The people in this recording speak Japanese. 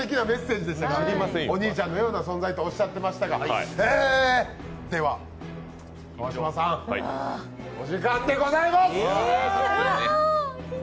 お兄ちゃんのような存在とおっしゃってましたがでは、川島さん、お時間でございます。